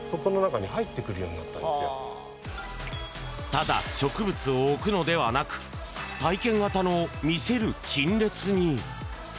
ただ植物を置くのではなく体験型の見せる陳列に。